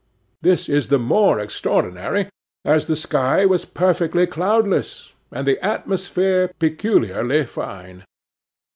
This is the more extraordinary, as the sky was perfectly cloudless, and the atmosphere peculiarly fine.